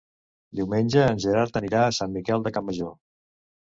Diumenge en Gerard anirà a Sant Miquel de Campmajor.